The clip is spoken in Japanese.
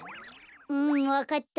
うんわかった。